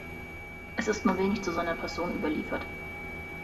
Es ist nur wenig zu seiner Person überliefert.